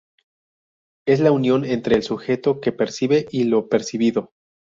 Es la unión entre el sujeto que percibe y lo percibido.